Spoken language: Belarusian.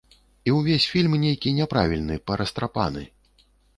І ўвесь фільм нейкі няправільны, парастрапаны.